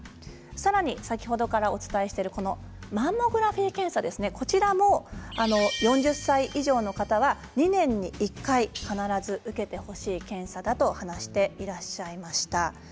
さらに先ほどからお伝えしているマンモグラフィー検査、こちらも４０歳以上の方は２年に１回必ず受けてほしい検査だと話していらっしゃいました。